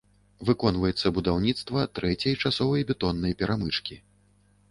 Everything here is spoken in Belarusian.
Выконваецца будаўніцтва трэцяй часовай бетоннай перамычкі.